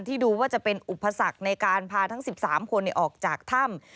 ดูว่าจะเป็นอุปสรรคในการพาทั้ง๑๓คนออกจากถ้ำ